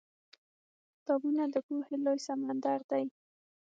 کتابونه د پوهې لوی سمندر دی.